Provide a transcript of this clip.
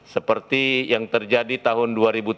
seperti yang terjadi tahun dua ribu tujuh belas